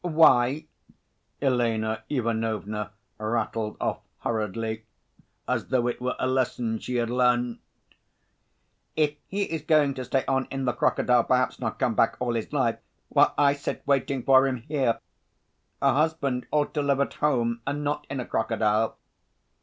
"Why," Elena Ivanovna rattled off hurriedly, as though it were a lesson she had learnt, "if he is going to stay on in the crocodile, perhaps not come back all his life, while I sit waiting for him here! A husband ought to live at home, and not in a crocodile...."